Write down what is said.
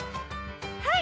はい！